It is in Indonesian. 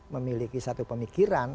memiliki satu pemikiran